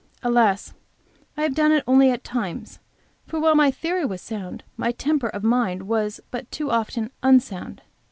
Alas! I have done it only at times; for while my theory was sound, my temper of mind was but too often unsound.